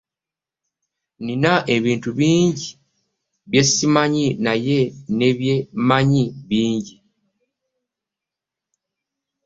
Nnina ebintu bingi bye simanyi naye ne bye mmanyi bingi.